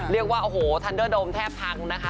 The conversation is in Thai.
เรียกว่าโอ้โหทันเดอร์โดมแทบพังนะคะ